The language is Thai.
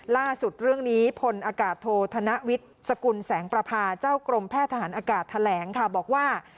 ล่าสุดเรื่องนี้พลอากาศโทษธนวิทย์สกุลแสงประพาเจ้ากรมแพทย์ทหารอากาศแถลงค่ะบอกว่า